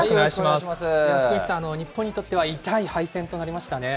福西さん、日本にとっては痛い敗戦となりましたね。